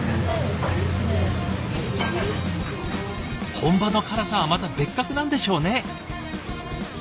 本場の辛さはまた別格なんでしょうね。